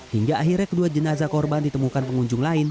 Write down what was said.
hingga akhirnya kedua jenazah korban ditemukan pengunjung lain